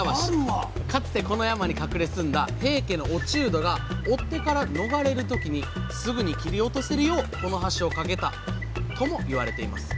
かつてこの山に隠れ住んだ平家の落人が追っ手から逃れる時にすぐに切り落とせるようこの橋を架けたとも言われています。